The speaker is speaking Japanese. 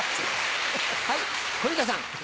はい小遊三さん。